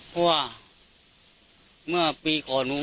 เพราะว่าเมื่อปีก่อน